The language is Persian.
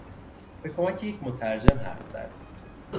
به کمک یک مترجم حرف زد.